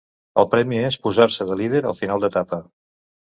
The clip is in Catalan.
El premi és posar-se de líder al final d'etapa.